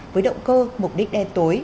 với động cơ mục đích đe tối